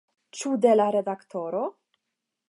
Ĉu de la redaktoro?